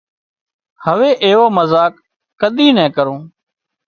هوي ايوو مزاق ڪۮي نين ڪرون